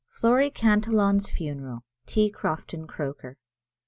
] FLORY CANTILLON'S FUNERAL. T. CROFTON CROKER.